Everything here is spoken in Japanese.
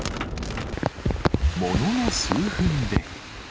ものの数分で。